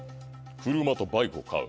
車とバイクを買う。